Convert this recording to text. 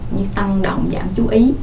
như tăng động giảm chú ý